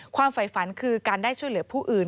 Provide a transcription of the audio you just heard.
ฝ่ายฝันคือการได้ช่วยเหลือผู้อื่น